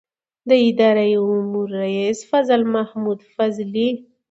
د اداره امور رئیس فضل محمود فضلي